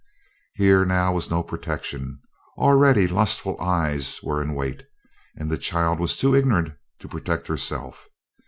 Here now was no protection. Already lustful eyes were in wait, and the child was too ignorant to protect herself.